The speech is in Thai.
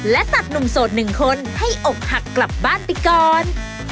และตัดหนุ่มโสดหนึ่งคนให้อกหักกลับบ้านไปก่อน